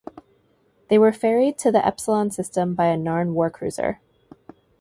They were ferried to the Epsilon system by a Narn warcruiser.